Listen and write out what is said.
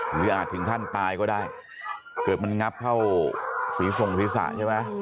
หรืออาจถึงท่านตายก็ได้เกิดมันงับเข้าศรีทรงฤษะใช่ไหม